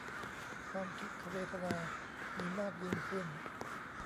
ความทุกขเวทนามีมากยิ่งขึ้น